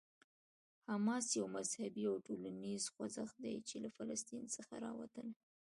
حماس یو مذهبي او ټولنیز خوځښت دی چې له فلسطین څخه راوتلی.